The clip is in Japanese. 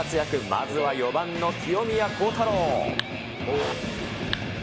まずは４番の清宮幸太郎。